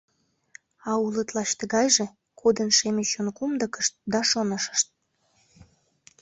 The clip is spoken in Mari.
А улыт лач тыгайже, кудын шеме чон кумдыкышт да шонышышт.